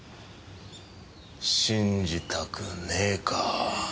信じたくねえか。